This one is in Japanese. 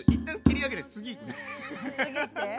次いって。